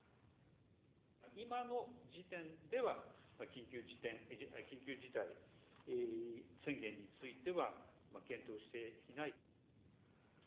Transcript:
今の時点では、緊急事態宣言については検討していない。